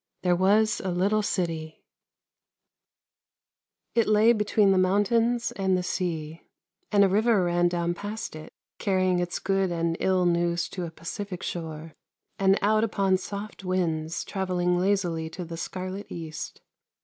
THERE WAS A LITTLE CITY, IT lay between the mountains and the sea, and a river ran down past it, carrying its good and ill news to a pacific shore, and out upon soft winds, travel ling lazily to the scarlet east.